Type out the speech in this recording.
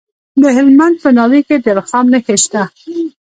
د هلمند په ناوې کې د رخام نښې شته.